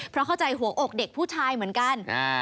เพราะเข้าใจหัวอกเด็กผู้ชายเหมือนกัน